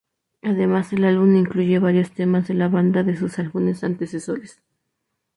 Además el álbum incluye varios temas de la banda de sus álbumes antecesores.